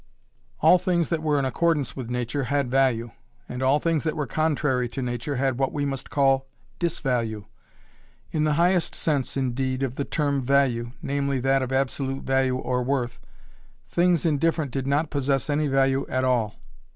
All things that were in accordance with nature had 'value' and all things that were contrary to nature had what we must call 'disvalue'. In the highest sense indeed of the term 'value' namely that of absolute value or worth things indifferent did not possess any value at all.